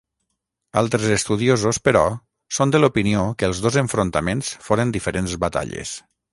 Altres estudiosos, però, són de l'opinió que els dos enfrontaments foren diferents batalles.